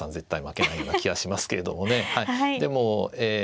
でもええ